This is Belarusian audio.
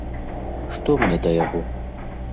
Што мне да яго!